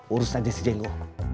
urus aja si jenggo